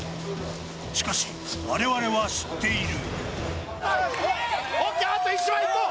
しかし、我々は知っている。